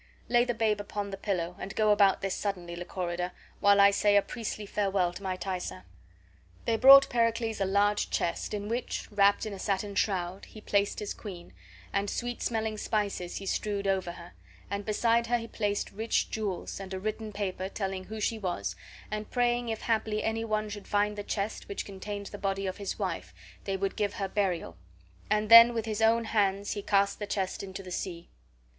Lay the babe upon the pillow, and go about this suddenly, Lychorida, while I say a priestly farewell to my Thaisa." They brought Pericles a large chest, in which (wrapped in a satin shroud) he placed his queen, and sweet smelling spices he strewed over her, and beside her he placed rich jewels, and a written paper telling who she was and praying if haply any one should find the chest which contained the body of his wife they would give her burial; and then with his own hands he cast the chest into the sea.